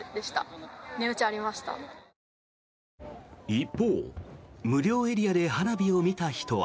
一方、無料エリアで花火を見た人は。